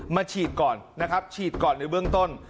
มาฉีดก่อนนะครับฉีดก่อนในเบื้องต้น